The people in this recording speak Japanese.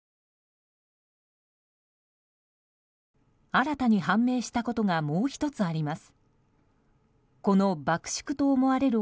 新たに判明したことがもう１つあります。